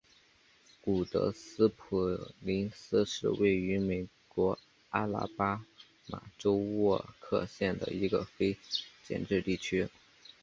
古德斯普林斯是位于美国阿拉巴马州沃克县的一个非建制地区。